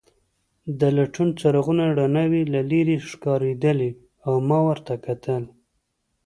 د لټون څراغونو رڼاوې له لیرې ښکارېدلې او ما ورته کتل.